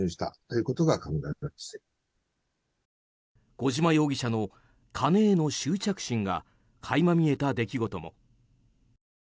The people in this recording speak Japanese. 小島容疑者の金への執着心が垣間見えた出来事も。